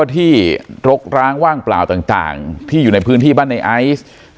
ที่รกร้างว่างเปล่าต่างที่อยู่ในพื้นที่บ้านในไอซ์